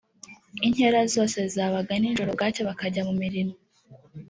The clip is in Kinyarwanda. inkera zose zabaga nijoro bwacya bakajya mu mirimo